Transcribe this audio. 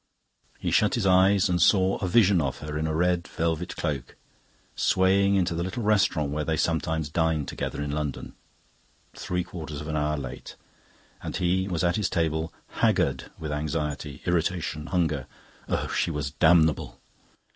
He shut his eyes and saw a vision of her in a red velvet cloak, swaying into the little restaurant where they sometimes dined together in London three quarters of an hour late, and he at his table, haggard with anxiety, irritation, hunger. Oh, she was damnable!